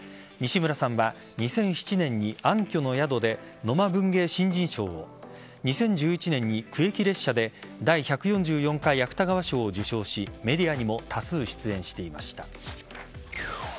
西村さんは２００７年に「暗渠の宿」で野間文芸新人賞を２０１１年に「苦役列車」で第１４４回芥川賞を受賞しメディアにも多数出演していました。